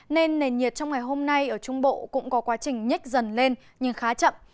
nên nền nhiệt trong ngày hôm nay ở trung bộ cũng có quá trình nhích dần lên nhưng khá chậm